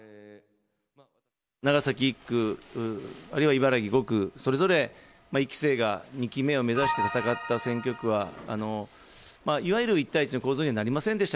長崎１区、あるいは茨城５区、それぞれ１期生が２期目を目指して戦った選挙区は、いわゆる１対１の構図にはなりませんでした